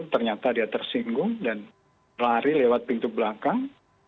ternyata dia tersinggung dan lari lewat pintu belakang